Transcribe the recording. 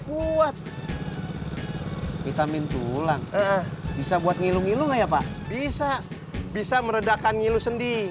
kuat vitamin tulang bisa buat ngilu ngilu nggak ya pak bisa bisa meredakan ngilu sendi